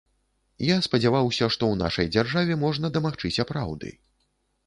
Я спадзяваўся, што ў нашай дзяржаве можна дамагчыся праўды.